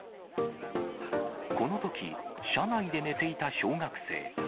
このとき、車内で寝ていた小学生。